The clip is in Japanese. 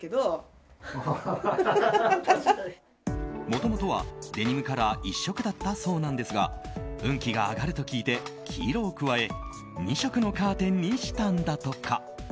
もともとはデニムカラー一色だったそうなんですが運気が上がると聞いて黄色を加え２色のカーテンにしたんだとか。